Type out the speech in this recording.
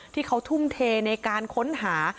ที่เขาทุ่มเทในการค้นหา